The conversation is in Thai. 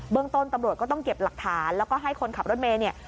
เบื้องต้นตำรวจก็ต้องเก็บหลักฐานแล้วก็ให้คนขับรถเมย์